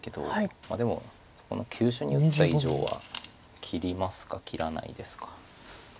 でもそこの急所に打った以上は切りますか切らないですか。